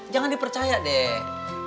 jangan dipercaya deh